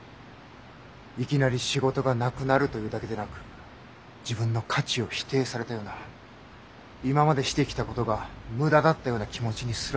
いきなり仕事がなくなるというだけでなく自分の価値を否定されたような今までしてきたことが無駄だったような気持ちにすらなる。